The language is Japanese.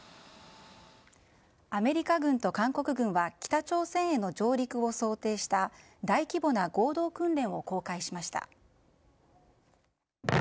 アメリカ軍と韓国軍は北朝鮮への上陸を想定した大規模な合同訓練を公開しました。